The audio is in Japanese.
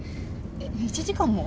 １時間も？